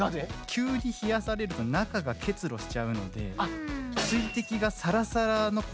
急に冷やされると中が結露しちゃうので確かに。